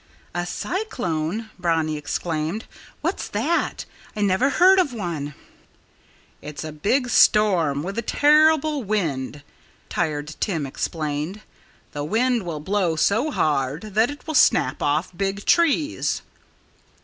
"A cyclone?" Brownie exclaimed. "What's that? I never heard of one." "It's a big storm, with a terrible wind," Tired Tim explained. "The wind will blow so hard that it will snap off big trees."